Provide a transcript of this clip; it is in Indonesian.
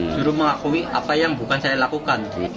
justru mengakui apa yang bukan saya lakukan